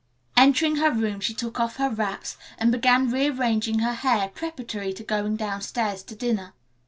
Entering her room she took off her wraps and began rearranging her hair preparatory to going downstairs to dinner.